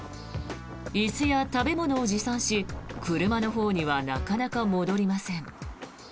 椅子や食べ物を持参し車のほうにはなかなか戻りません。